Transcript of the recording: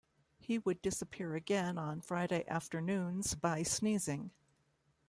He would disappear again on Friday afternoons by sneezing.